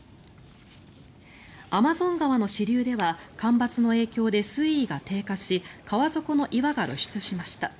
アマゾン川の支流では干ばつの影響で水位が低下し川底の岩が露出しました。